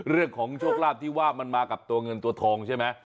เรื่องของโชคลาภที่ว่ามันมากับตัวเงินตัวทองใช่ไหม